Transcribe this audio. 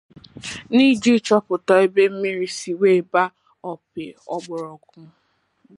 N'iji chọpụta ebe mmiri siri wee bàá òpì ụgbọgụrụ